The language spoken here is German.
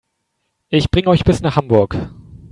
Ich bringe euch bis nach Hamburg